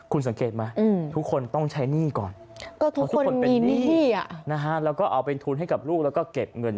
คุณสังเกตไหมทุกคนต้องใช้หนี้ก่อน